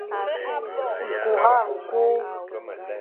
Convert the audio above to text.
Nkura nku.